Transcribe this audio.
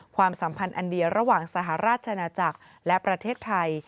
ความสัมพันธ์อันเดียวระหว่างสหราชนาจักรและประเทศไทย